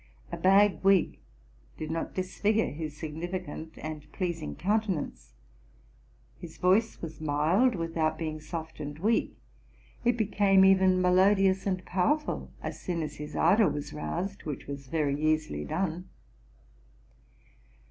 A bag wig did not disfigure his significant and pleasing countenance. His voice was mild, without being soft and weak: it became even melodious and powerful, as soon as his ardor was roused, which was very easily done.